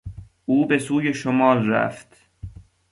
او به سوی شمال رفت.